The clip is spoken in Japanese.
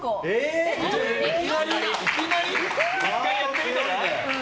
いきなり？１回やってみたら？